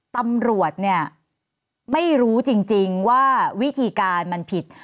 ตำรวจเนี่ยไม่รู้จริงว่าวิธีการมันผิด